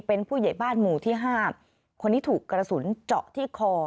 เป็นผู้ใหญ่บ้านหมู่ที่๕คนนี้ถูกกระสุนเจาะที่คอ